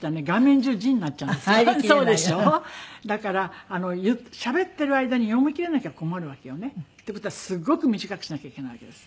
だからしゃべっている間に読みきれなきゃ困るわけよね。っていう事はすっごく短くしなきゃいけないわけです。